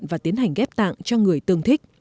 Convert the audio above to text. và tiến hành ghép tạng cho người tương thích